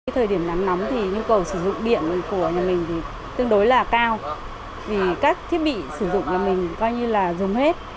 thời điểm nắng nóng thì nhu cầu sử dụng điện của nhà mình tương đối là cao vì các thiết bị sử dụng nhà mình coi như là dùng hết